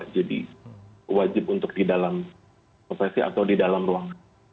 jadi wajib untuk di dalam prosesi atau di dalam ruang